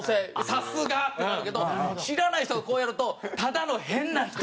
さすが！ってなるけど知らない人がこうやるとただの変な人。